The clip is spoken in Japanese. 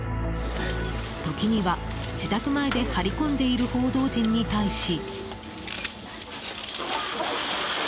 時には、自宅前で張り込んでいる報道陣に対し。